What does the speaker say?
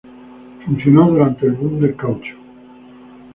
Funcionó durante el boom del caucho.